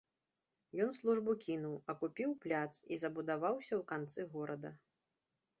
Ён службу кінуў, а купіў пляц і забудаваўся ў канцы горада.